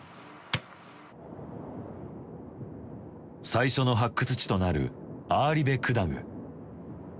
最初の発掘地となるアーリベクダグ。